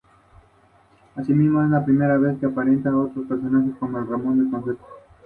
Asimismo, es la primera vez en que aparecen otros personajes como Ramón el conserje.